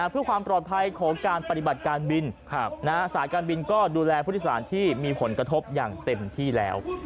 เพื่อความปลอดภัยของการปฏิบัติการบินสายการบินก็ดูแลผู้โดยสารที่มีผลกระทบอย่างเต็มที่แล้ว